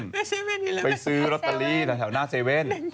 ไปเซเว่นไปซื้อรอตาลีแถวหน้าเซเว่น